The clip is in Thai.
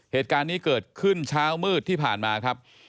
เหตุการณ์นี้เกิดขึ้นเช้ามืดที่ผ่านมาครับ